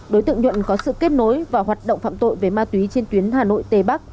đối tượng nhuận có sự kết nối và hoạt động phạm tội về ma túy trên tuyến hà nội tây bắc